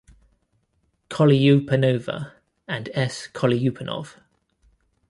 Kolyupanova, and S. Kolyupanov.